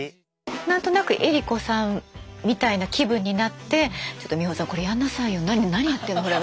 何となく江里子さんみたいな気分になって「ちょっと美穂さんこれやんなさいよ。何やってんのほら。